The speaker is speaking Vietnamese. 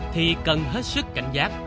thì cần hết sức cảnh giác